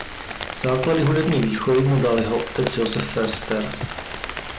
Základy hudební výchovy mu dal jeho otec Josef Förster.